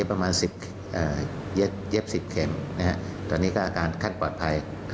เราก็เย็บประมาณ๑๐เค็มก็อาการค่านปลอดภัย